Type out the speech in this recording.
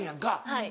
はい。